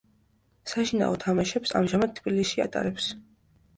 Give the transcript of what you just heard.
საშინაო თამაშებს ამჟამად თბილისში ატარებს.